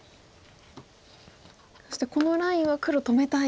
そしてこのラインは黒止めたい。